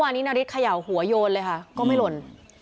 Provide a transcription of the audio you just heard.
วันนี้มะพร้าวไม่หล่นไม่หล่น